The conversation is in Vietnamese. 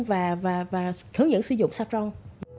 và hướng dẫn sử dụng sạc rong